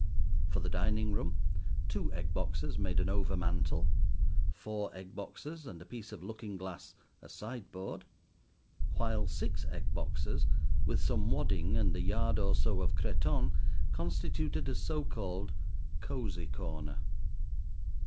For the dining room two egg boxes made an overmantel; four egg boxes and a piece of looking glass a sideboard; while six egg boxes, with some wadding and a yard or so of cretonne, constituted a so called "cosy corner."